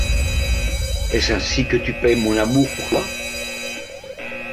Est-ce ainsi que tu paies mon amour pour toi ?